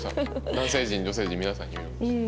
男性陣女性陣皆さんに言われました。